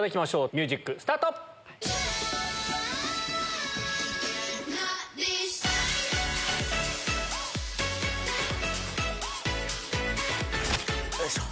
ミュージックスタート！よいしょ！